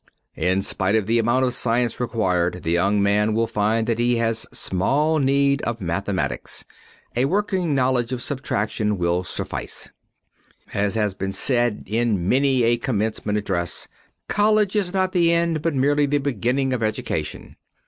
In spite of the amount of science required, the young man will find that he has small need of mathematics. A working knowledge of subtraction will suffice. As has been well said in many a commencement address, college is not the end but merely the beginning of education.